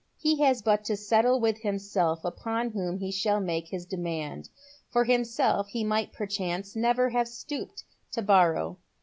He has but to settle with himself upon whom he shall make his demand. For himself he might perchance never have stooped to borrow.